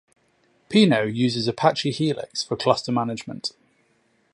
Pinot uses Apache Helix for cluster management.